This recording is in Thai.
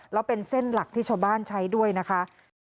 แล้วเป็นเส้นหลักที่ชาวบ้านใช้ด้วยนะคะ